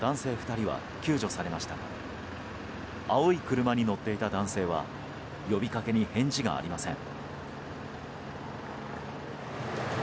２人は救助されましたが青い車に乗っていた男性は呼びかけに返事がありません。